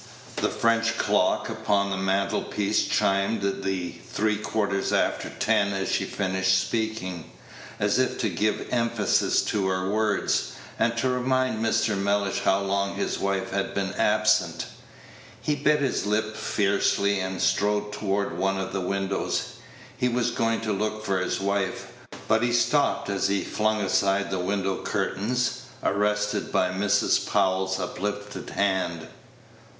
The French clock upon the mantle piece chimed the three quarters after ten as she finished speaking, as if to give emphasis to her words, and to remind Mr. Mellish how long his wife had been absent. He bit his lip fiercely, and strode toward one of the windows. He was going to look for his wife; but he stopped as he flung aside the window curtain, arrested by Mrs. Powell's uplifted hand.